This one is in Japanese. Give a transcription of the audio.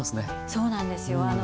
そうなんですよ